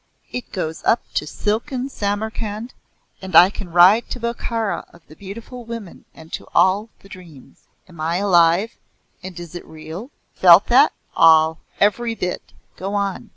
It goes up to silken Samarkhand, and I can ride to Bokhara of the beautiful women and to all the dreams. Am I alive and is it real?' You felt that?" "All. Every bit. Go on!"